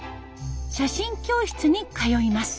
写真教室に通います。